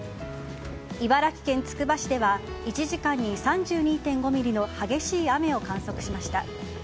茨城県つくば市では１時間に３２．５ｍｍの激しい雨を観測しました。